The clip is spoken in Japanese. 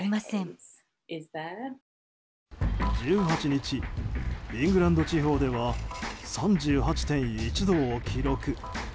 １８日、イングランド地方では３８．１度を記録。